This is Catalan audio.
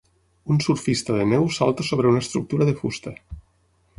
Un surfista de neu salta sobre una estructura de fusta.